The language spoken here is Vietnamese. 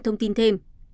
thông tin thêm